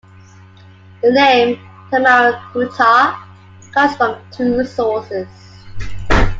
The name "Tamaracouta" comes from two sources.